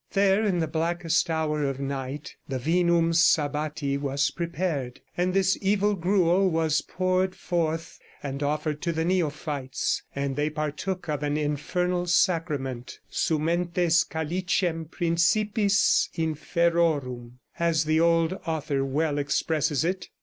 There, in the blackest hour of night, the Vinum Sabbati was prepared, and this evil gruel was poured forth and offered to the neophytes, and they partook of an infernal sacrament; sumentes calicem principis inferorum, as an old author well expresses it.